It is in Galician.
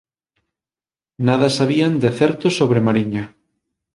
Nada sabían de certo sobre Mariña.